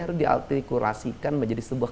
harus dialtrikulasikan menjadi sebuah